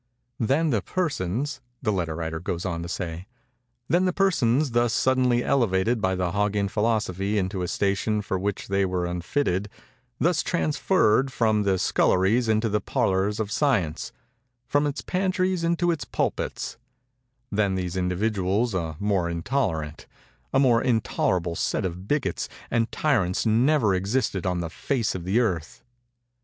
"Than the persons"—the letter goes on to say—"Than the persons thus suddenly elevated by the Hog ian philosophy into a station for which they were unfitted—thus transferred from the sculleries into the parlors of Science—from its pantries into its pulpits—than these individuals a more intolerant—a more intolerable set of bigots and tyrants never existed on the face of the earth.